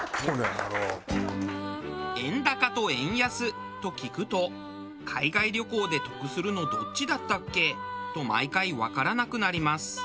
「円高」と「円安」と聞くと海外旅行で得するのどっちだったっけ？と毎回わからなくなります。